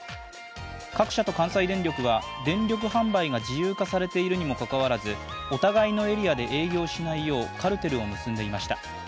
各社と関西電力は電力販売が自由化されているにもかかわらずお互いのエリアで営業しないようカルテルを結んでいました。